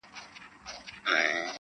• سواهد ټول راټولوي,